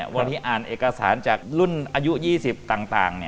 วันนี้อ่านเอกสารจากรุ่นอายุ๒๐ต่าง